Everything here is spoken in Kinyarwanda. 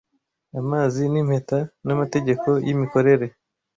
amazi n'impeta n' amategeko yimikorere